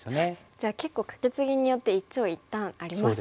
じゃあ結構カケツギによって一長一短ありますね。